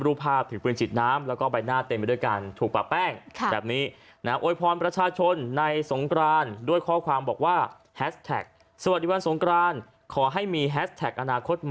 รูปภาพถึงปืนฉีดน้ำและบายหน้าเต็มไปด้วยกัน